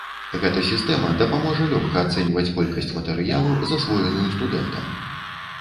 Гэта сістэма дапаможа лёгка ацэньваць колькасць матэрыялу, засвоеную студэнтам.